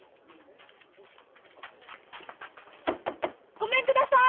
ごめんください！